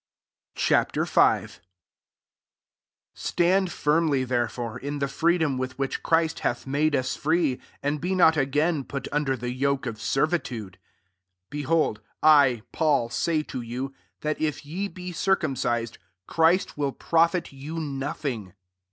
Ch. V. 1 Stand firmly, there fore, in the freedom with which Christ hath made us free,* and be not again put under the yoke of servitude. 2 Behold, I Paul say to you, that if ye be circumcised, Christ will profit you nothing.